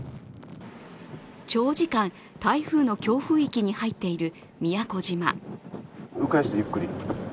長時間、台風の強風域に入っている宮古島。